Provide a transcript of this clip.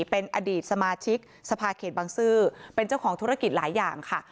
เป็นอดีตสมาชิกสภาเขตบังซื้อเป็นเจ้าของธุรกิจหลายอย่างค่ะ